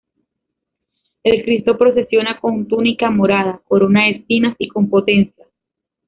El cristo procesiona con túnica morada, corona de espinas y con potencias.